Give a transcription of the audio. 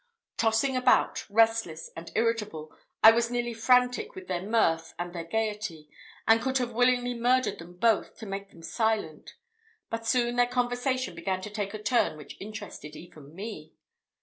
Tossing about, restless and irritable, I was nearly frantic with their mirth and their gaiety, and could have willingly murdered them both to make them silent; but soon their conversation began to take a turn which interested even me.